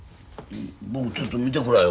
僕ちょっと見てくらよ。